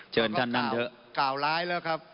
เชิญท่านนั่งเถอะ